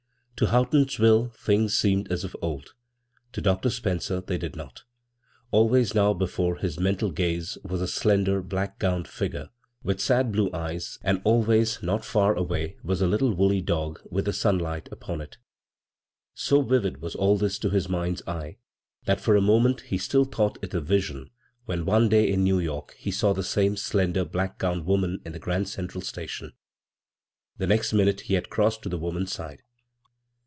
To Houghtonsville things seemed as of old ; to Dr. Spencer they did not — always now be fore his mental gaze was a slender, black gowned figure with sad blue eyes, and always not far away was a little woolly dog with the sunlight upon it So vivid was all this to his mind's eye that for a moment he still thought it a vi^on when one day in New York he saw the same slen der black gowned woman in the Grand Cen tral Station. The next minute he had crossed to the woman's side.